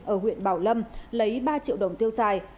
ở huyện bảo lâm lấy ba triệu đồng tiêu xài